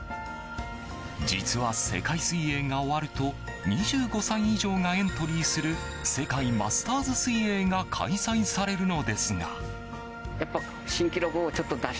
実は、世界水泳が終わると２５歳以上がエントリーする世界マスターズ水泳が開催されるのですが。